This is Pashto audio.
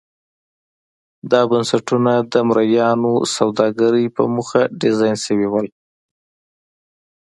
دا بنسټونه د مریانو سوداګرۍ په موخه ډیزاین شوي وو.